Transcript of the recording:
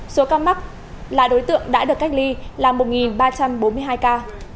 số ca mắc là đối tượng đã được cách ly là một ba trăm bốn mươi hai ca